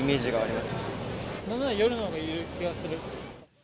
なんなら、夜のほうがいる気がする。